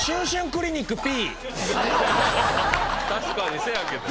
確かにせやけど。